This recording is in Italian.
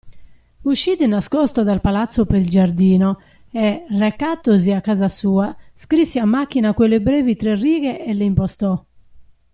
Uscì di nascosto dal palazzo per il giardino e, recatosi a casa sua, scrisse a macchina quelle brevi tre righe e le impostò.